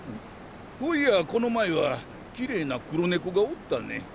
ほういやこの前はきれいな黒猫がおったね。